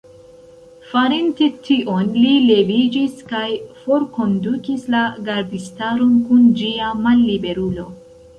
Farinte tion, li leviĝis kaj forkondukis la gardistaron kun ĝia malliberulo.